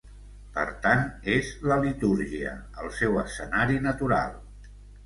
Per tant, és la litúrgia, el seu escenari natural.